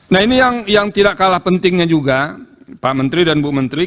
nah ini yang tidak kalah pentingnya juga pak menteri dan bu menteri